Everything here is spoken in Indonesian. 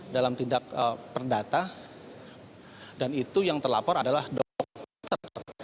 dalam tindak perdata dan itu yang terlapor adalah dokter